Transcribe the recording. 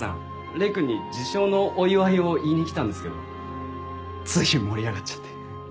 礼くんに受賞のお祝いを言いに来たんですけどつい盛り上がっちゃって。